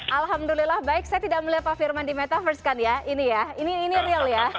alhamdulillah baik saya tidak melihat pak firman di metaverse kan ya ini ya ini real ya